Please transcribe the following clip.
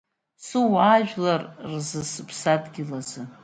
Суаажәлар рзы, сыԥсадгьыл азы!